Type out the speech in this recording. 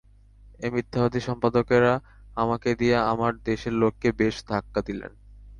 এই মিথ্যাবাদী সম্পাদকেরা আমাকে দিয়া আমার দেশের লোককে বেশ ধাক্কা দিলেন।